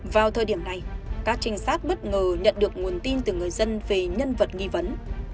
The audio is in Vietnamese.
vào thời điểm này các trinh sát bất ngờ nhận được nguồn tin từ người dân về nhân vật nghi vấn